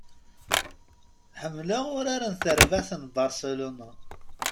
Ḥemmleɣ urar n terbaɛt n Barcelona.